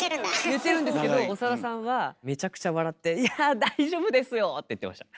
言ってるんですけど長田さんはめちゃくちゃ笑って「いや大丈夫ですよ！」って言ってました。